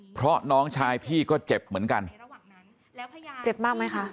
เพราะน้องชายพี่ก็เจ็บเหมือนกันเจ็บมากไหมคะ